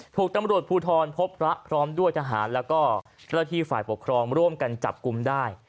ถูกตำรวจภูทรพบพระพร้อมด้วยทหารแล้วก็เจ้าที่ฝ่ายปกครองร่วมกันจับกลุ่มได้